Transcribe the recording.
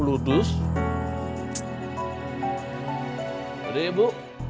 udah ya bu